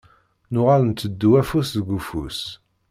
Nuɣal ntteddu afus deg ufus.